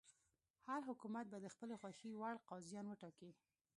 هر حکومت به د خپلې خوښې وړ قاضیان وټاکي.